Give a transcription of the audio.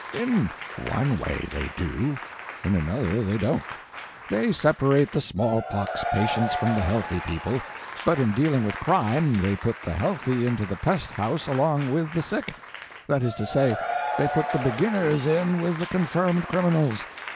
In one way they do, in another they don't. They separate the smallpox patients from the healthy people, but in dealing with crime they put the healthy into the pest house along with the sick. That is to say, they put the beginners in with the confirmed criminals.